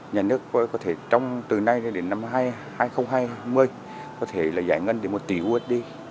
nhà nước có thể từ nay đến năm hai nghìn hai mươi có thể giải ngân đến một tỷ usd